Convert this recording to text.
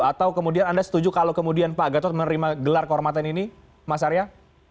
atau kemudian anda setuju kalau kemudian pak gatot menerima gelar kehormatan ini mas arya